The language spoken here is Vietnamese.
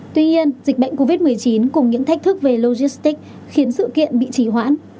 tuy nhiên dịch bệnh covid một mươi chín cùng những thách thức về logistics khiến sự kiện bị trì hoãn